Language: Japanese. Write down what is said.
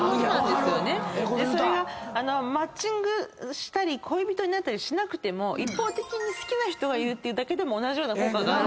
でそれがマッチングしたり恋人になったりしなくても一方的に好きな人がいるだけでも同じような効果があるんですよ。